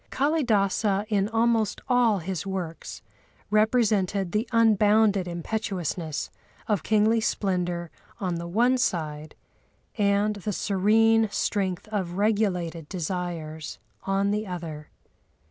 Kâlidâsa in almost all his works represented the unbounded impetuousness of kingly splendour on the one side and the serene strength of regulated desires on the other.